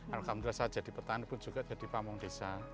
alhamdulillah saya jadi petani pun juga jadi pamung desa